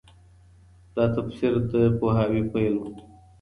دا تفسیر د پوهاوي پيل و.